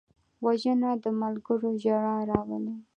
وژنه د ملګرو ژړا راولي